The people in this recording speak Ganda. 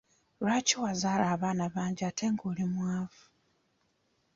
Lwaki wazaala abaana bangi ate nga oli mwavu?